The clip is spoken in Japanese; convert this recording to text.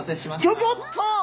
ギョギョッと！